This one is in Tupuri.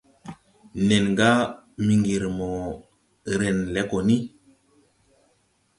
Nen ga Miŋgiri mo ren le gɔ ni.